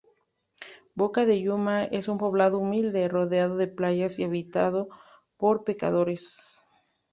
Boca de Yuma es un poblado humilde rodeado de playas y habitado por pecadores.